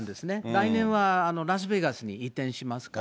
来年はラスベガスに移転しますか